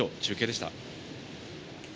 以上、中継でした。